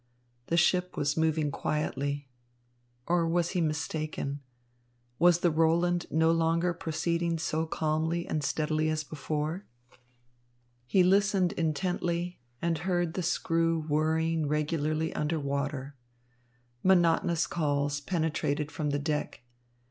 The ship was moving quietly. Or was he mistaken? Was the Roland no longer proceeding so calmly and steadily as before? He listened intently, and heard the screw whirring regularly under the water. Monotonous calls penetrated from the deck.